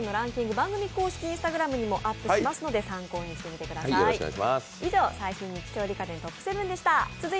番組公式Ｉｎｓｔａｇｒａｍにもアップしますので参考にしてみてください。